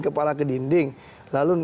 kepala ke dinding lalu